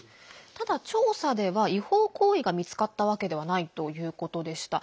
ただ調査では違法行為が見つかったわけではないということでした。